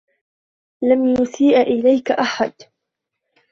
لم يسيء إليك أحد.